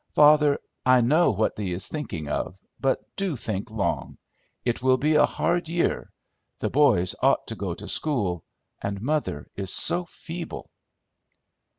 "Father, I know what thee is thinking of, but do think long. It will be a hard year; the boys ought to go to school; and mother is so feeble!"